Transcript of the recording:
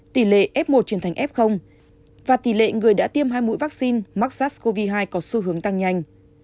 tỷ lệ f một trên thành f và tỷ lệ người đã tiêm hai mũi vaccine mắc sars cov hai có xu hướng tăng nhanh